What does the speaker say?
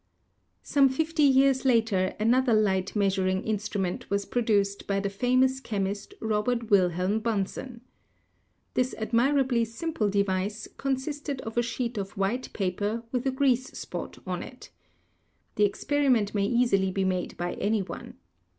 Some fifty years later another light measuring instru ment was produced by the famous chemist Robert Wilhelm Bunsen. This admirably simple device consisted of a sheet of white paper with a grease spot on it. The ex THE SPEED OF LIGHT 77 periment may easily be made by any one.